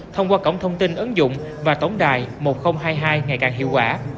thông qua cổng thông tin ứng dụng và tổng đài một nghìn hai mươi hai ngày càng hiệu quả